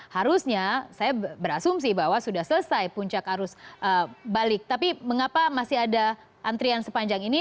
harusnya saya berasumsi bahwa sudah selesai puncak arus balik tapi mengapa masih ada antrian sepanjang ini